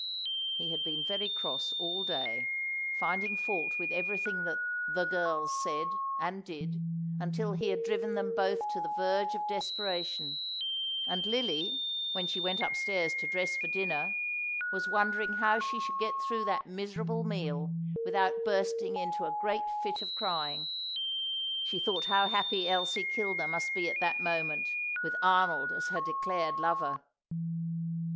He had been very cross all day, finding fault with everything that "the girls" said and did, until he had driven them both to the verge of desperation; and Lily, when she went upstairs to dress for dinner, was wondering how she should get through that miserable meal without bursting into a great fit of crying. She thought how happy Elsie Kilner must be at that moment with Arnold as her declared lover.